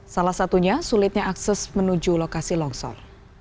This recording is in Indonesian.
salah satunya sulitnya akses menuju lokasi longsor